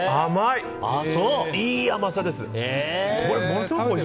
いい甘さです。